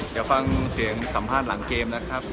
เดี๋ยวฟังเสียงสัมภาษณ์หลังเกมนะครับ